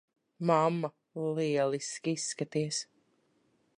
Mamma, lieliski izskaties.